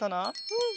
うん！